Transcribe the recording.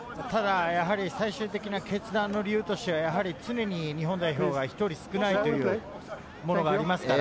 最終的な決断の理由としては日本代表が１人少ないというものがありますから。